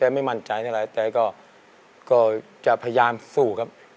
ไม่มั่นใจอะไรแต่ก็จะพยายามสู้ครับ